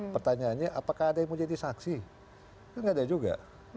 pertanyaannya apakah ada yang mau jadi saksi kan nggak ada juga